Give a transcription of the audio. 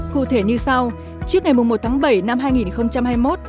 cụ thể như sau trước ngày một tháng bảy năm hai nghìn hai mươi một